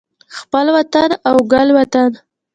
خپل وطن او ګل وطن